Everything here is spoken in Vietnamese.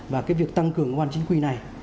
và việc tăng cường công an chính quy này